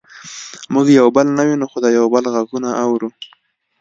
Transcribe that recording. موږ یو بل نه وینو خو د یو بل غږونه اورو